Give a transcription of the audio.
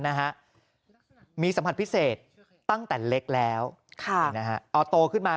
นะฮะมีสัมผัสพิเศษตั้งแต่เล็กแล้วค่ะนี่นะฮะเอาโตขึ้นมา